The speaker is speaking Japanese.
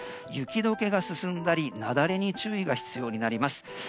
雪解けが進んだり雪崩に注意が必要になります。